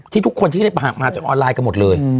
ที่ทุกคนที่ได้ประหากมาจากออนไลน์กันหมดเลย